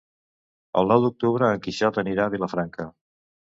El nou d'octubre en Quixot anirà a Vilafranca.